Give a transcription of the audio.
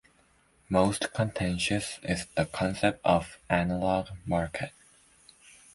Most contentious is the concept of "analogue market".